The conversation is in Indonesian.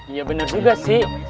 iya bener juga sih